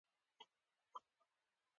د سیاسینو جدي توجه یې وراړولې وه.